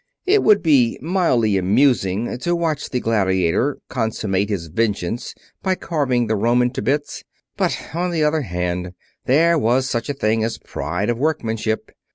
It would be mildly amusing to watch the gladiator consummate his vengeance by carving the Roman to bits. But, on the other hand, there was such a thing as pride of workmanship.